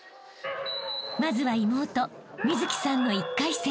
［まずは妹美月さんの１回戦］